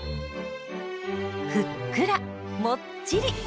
ふっくらもっちり！